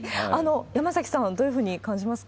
山崎さんはどういうふうに感じますか？